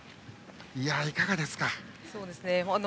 いかがですか。